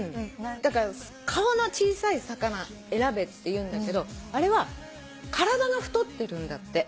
だから顔の小さい魚選べっていうんだけどあれは体が太ってるんだって。